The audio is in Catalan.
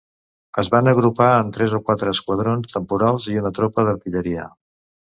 Es van agrupar en tres o quatre esquadrons temporals i una tropa d'artilleria.